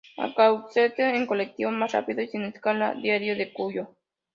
A Caucete en colectivo, más rápido y sin escalas Diario de Cuyo